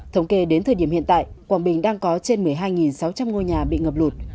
thống kê đến thời điểm hiện tại quảng bình đang có trên một mươi hai sáu trăm linh ngôi nhà bị ngập lụt